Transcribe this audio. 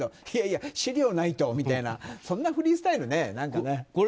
いやいや、資料がないとみたいなそんなフリースタイルはね。